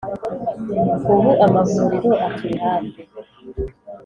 ubu amavuriro aturi hafi